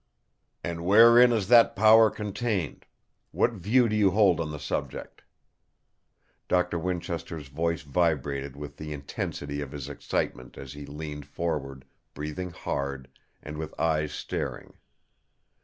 "And wherein is that power contained? What view do you hold on the subject?" Doctor Winchester's voice vibrated with the intensity of his excitement as he leaned forward, breathing hard, and with eyes staring.